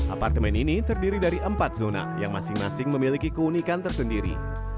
apartemen ini terdiri dari empat zona yang masing masing memiliki keunikan tersendiri